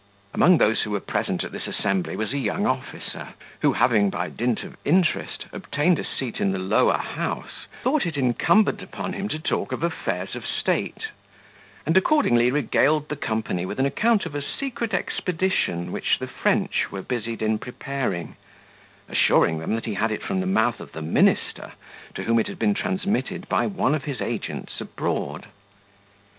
Among those who were present at this assembly was a young officer, who having, by dint of interest, obtained a seat in the lower house, thought it incumbent upon him to talk of affairs of state; and accordingly regaled the company with an account of a secret expedition which the French were busied in preparing; assuring them that he had it from the mouth of the minister, to whom it had been transmitted by one of his agents abroad.